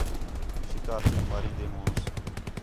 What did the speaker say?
شِکار جوں مارین٘دے ہونس